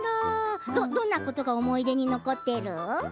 どんなことが思い出に残っている？